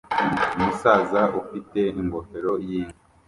Umusaza ufite ingofero yinka